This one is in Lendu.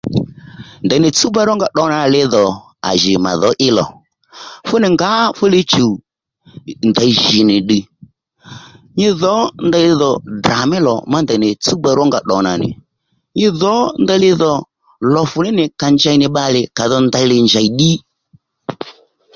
Ndèy nì tsúwba rónga tdǒ nǎnì li dhò à jì à jì mà dhǒ í lò fú nì ngǎ fú li chùw ndèy jì nì ddiy nyi dhǒ ndeyli dhò Dra mí lò má ndèy nì tsúwbà ró nga ddo nà nì, nyi dhǒ ndeyli dho lò fù ní ní nì kà njey nì bbalè kà dho ndeyli njèy ddí